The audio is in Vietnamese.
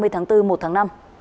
ba mươi tháng bốn một tháng năm